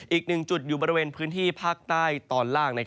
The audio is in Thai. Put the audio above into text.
อีกหนึ่งจุดอยู่บริเวณพื้นที่ภาคใต้ตอนล่าง